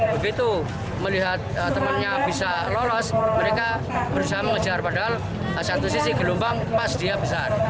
begitu melihat temannya bisa lolos mereka berusaha mengejar padahal satu sisi gelombang pas dia besar